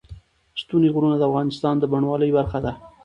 ستوني غرونه د افغانستان د بڼوالۍ برخه ده.